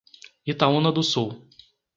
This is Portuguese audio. Itaúna do Sul